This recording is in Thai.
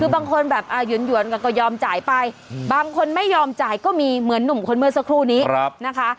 คือบางคนแบบหยวนก็ยอมจ่ายไปบางคนไม่ยอมจ่ายก็มีเหมือนหนุ่มคนเมื่อสักครู่นี้นะคะ